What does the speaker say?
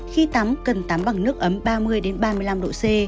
khi tắm cần tắm bằng nước ấm ba mươi ba mươi năm độ c